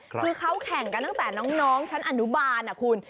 คือเขาแข่งกันตั้งแต่น้องชั้นอนุบาลนะคุณ